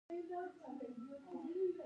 شاوخوا پر غونډۍ ګڼ کورونه دي.